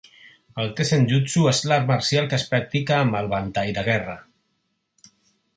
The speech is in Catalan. El tessenjutsu és l'art marcial que es practica amb el ventall de guerra.